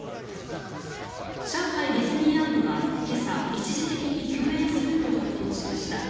上海ディズニーランドは今朝一時的に休園すると発表しました。